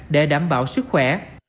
để đảm bảo sức khỏe